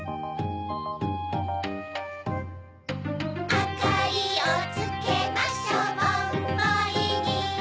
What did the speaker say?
あかりをつけましょぼんぼりに